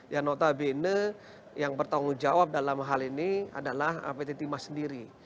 yang notabene yang bertanggung jawab dalam hal ini adalah pt timah sendiri